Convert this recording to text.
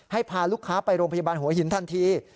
พาลูกค้าไปโรงพยาบาลหัวหินทันที